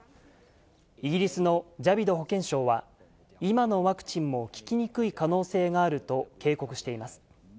イギリスのジャビド保健相は、今のワクチンも効きにくい可能性があると警告しています。